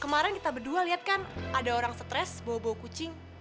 kemarin kita berdua lihat kan ada orang stres bawa bawa kucing